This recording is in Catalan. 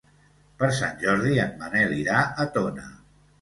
Per Sant Jordi en Manel irà a Tona.